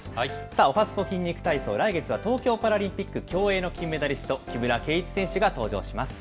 さあ、おはＳＰＯ筋肉体操、来月は東京パラリンピック、競泳の金メダリスト、木村敬一選手が登場します。